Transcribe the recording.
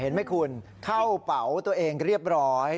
เห็นไหมคุณเข้าเป๋าตัวเองเรียบร้อย